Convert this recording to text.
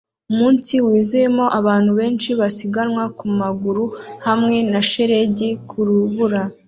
Umunsi wuzuyemo abantu benshi basiganwa ku maguru hamwe na shelegi ku rubura